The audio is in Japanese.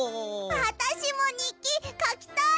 あたしもにっきかきたい！